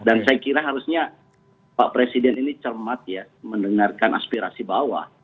saya kira harusnya pak presiden ini cermat ya mendengarkan aspirasi bawah